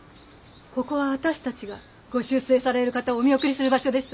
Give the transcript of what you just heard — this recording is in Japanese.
ここは私たちがご出征される方をお見送りする場所です。